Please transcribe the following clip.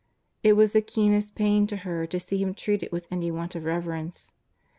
It was the keenest pain to her to see Him treated with any want of reverence.